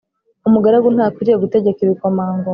umugaragu ntakwiriye gutegeka ibikomangoma